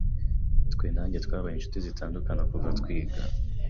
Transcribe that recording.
Twe na njye twabaye inshuti zitandukana kuva twiga.